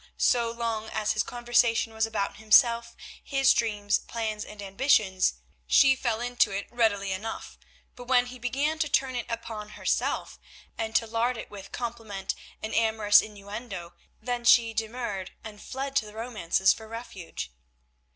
So long as his conversation was about himself, his dreams, plans and ambitions, she fell into it readily enough; but when he began to turn it upon herself, and to lard it with compliment and amorous innuendo, then she demurred, and fled to the romances for refuge.